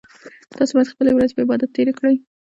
تاسو باید خپلې ورځې په عبادت تیرې کړئ